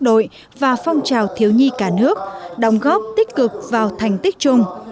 trong những năm qua công tác đội và phong trào thiếu nhi cả nước đồng góp tích cực vào thành tích chung